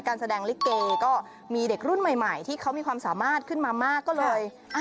การแสดงลิเกก็มีเด็กรุ่นใหม่ที่เขามีความสามารถขึ้นมามากก็เลย